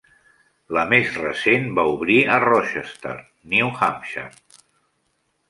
La més recent va obrir a Rochester (New Hampshire).